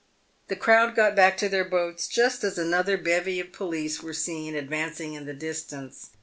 The crowd. got back to their boats just as another bevy of police were seen advancing in the distance.